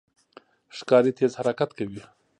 ښکاري تېز حرکت کوي.